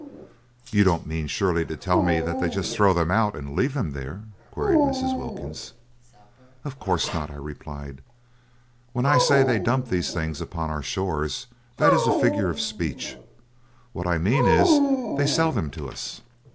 "You don't mean surely to tell me that they just throw them out and leave them there?" queried Mrs. Wilkins. "Of course not," I replied; "when I say they dump these things upon our shores, that is a figure of speech. What I mean is they sell them to us."